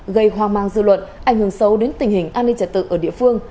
gây hoang mang dư luận ảnh hưởng sâu đến tình hình an ninh trật tự ở địa phương